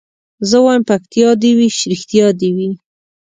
زه وايم پکتيا دي وي رښتيا دي وي